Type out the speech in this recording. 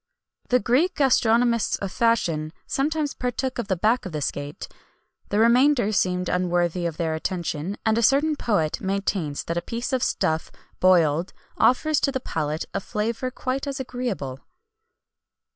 [XXI 164] The Greek gastronomists of fashion sometimes partook of the back of the scate;[XXI 165] the remainder seemed unworthy of their attention, and a certain poet maintains that a piece of stuff, boiled, offers to the palate a flavour quite as agreeable.